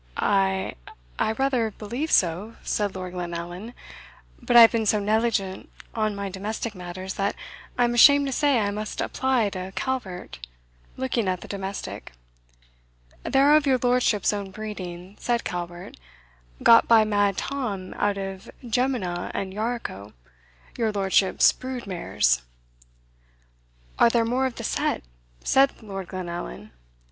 "I I rather believe so," said Lord Glenallan; "but I have been so negligent of my domestic matters, that I am ashamed to say I must apply to Calvert" (looking at the domestic). "They are of your lordship's own breeding," said Calvert, "got by Mad Tom out of Jemina and Yarico, your lordship's brood mares." "Are there more of the set?" said Lord Glenallan.